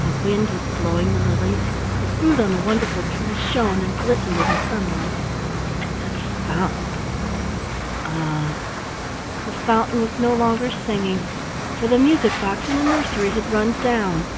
The wind was blowing the lilies, the fruit on the wonderful trees shone and glistened in the sunlight, and the fountain —ah! the fountain was no longer singing, for the music box in the nursery had run down.